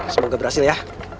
semoga berhasil ya